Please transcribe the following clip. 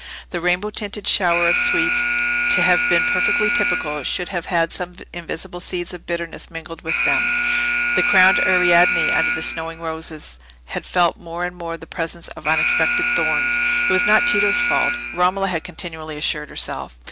The rainbow tinted shower of sweets, to have been perfectly typical, should have had some invisible seeds of bitterness mingled with them; the crowned Ariadne, under the snowing roses, had felt more and more the presence of unexpected thorns. It was not Tito's fault, Romola had continually assured herself.